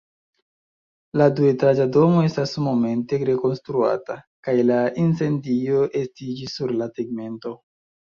La duetaĝa domo estas momente rekonstruata, kaj la incendio estiĝis sur la tegmento.